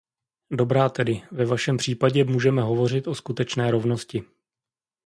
Dobrá tedy, ve vašem případě můžeme hovořit o skutečné rovnosti.